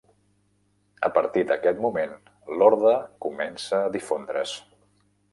A partir d'aquest moment l'orde comença a difondre's.